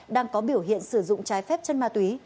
đang có biểu hiện sử dụng trái phép chân ma túy